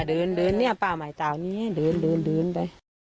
เดินเนี่ยป้าหมายตาวนี้เดินไป